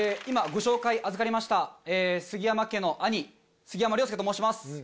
今ご紹介あずかりました杉山家の兄杉山遼介と申します。